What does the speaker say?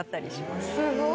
すごい。